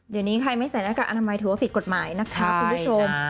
เดี๋ยวนี้ใครไม่ใส่หน้ากากอนามัยถือว่าผิดกฎหมายนะคะคุณผู้ชม